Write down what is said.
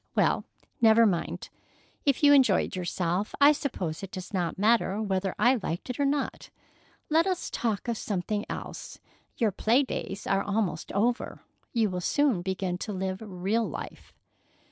"Well, never mind. If you enjoyed yourself, I suppose it does not matter whether I liked it or not. Let us talk of something else. Your play days are almost over. You will soon begin to live real life."